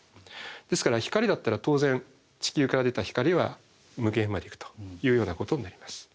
ですから光だったら当然地球から出た光は無限まで行くというようなことになります。